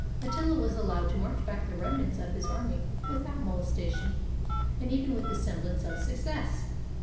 Attila was allowed to march back the remnants of his army with out molestation, and even with the semblance of success.